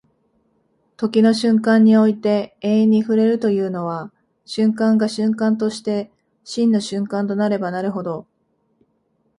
時の瞬間において永遠に触れるというのは、瞬間が瞬間として真の瞬間となればなるほど、